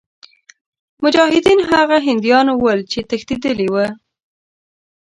مجاهدین هغه هندیان ول چې تښتېدلي وه.